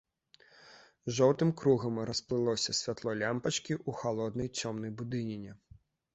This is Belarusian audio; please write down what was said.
Жоўтым кругам расплылося святло лямпачкі ў халоднай цёмнай будыніне.